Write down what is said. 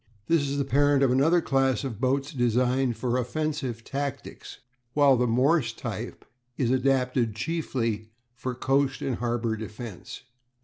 This is the parent of another class of boats designed for offensive tactics, while the Morse type is adapted chiefly for coast and harbour defence.